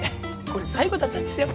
これ最後だったんですよ。